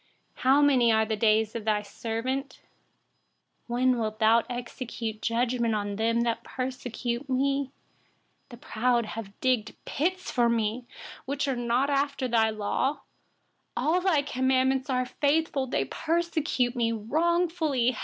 84How many are the days of your servant? When will you execute judgment on those who persecute me? 85The proud have dug pits for me, contrary to your law. 86All of your commandments are faithful. They persecute me wrongfully.